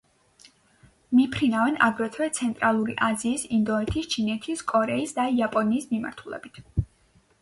მიფრინავენ აგრეთვე ცენტრალური აზიის, ინდოეთის, ჩინეთის, კორეის და იაპონიის მიმართულებით.